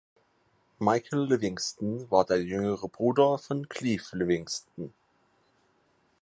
Michael Livingston war der jüngere Bruder von Cleve Livingston.